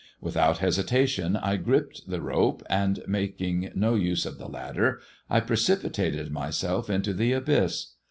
Without hesitation I gripped the rope, and making no use of the ladder, I precipitated myself into the abyss.